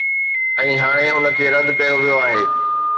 ۽ هاڻي ان کي رد ڪيو ويو آهي.